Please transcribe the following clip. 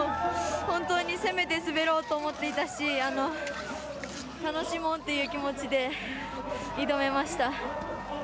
本当に攻めて滑ろうと思っていたし楽しもうという気持ちで挑めました。